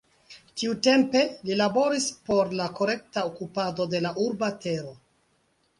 Tiutempe, li laboris por la korekta okupado de la urba tero.